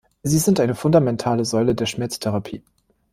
Sie sind eine fundamentale Säule der Schmerztherapie.